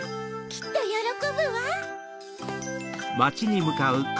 きっとよろこぶわ！